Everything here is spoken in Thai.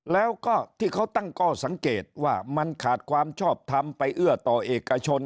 แล้วก็ที่เขาตั้งข้อสังเกตว่ามันขาดความชอบทำไปเอื้อต่อเอกชน